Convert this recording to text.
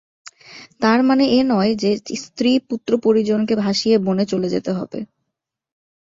তার মানে এ নয় যে, স্ত্রী-পুত্র-পরিজনকে ভাসিয়ে বনে চলে যেতে হবে।